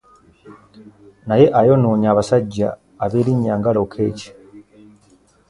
Naye ayonoonye abasajja ab'erinnya nga Lokech